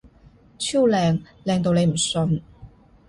超靚！靚到你唔信！